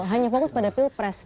hanya fokus pada pilpres